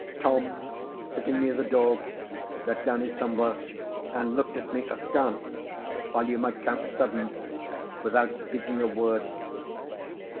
Tom, sitting near the door, set down his tumbler, and looked at me askance, while you might count seven, without speaking a word.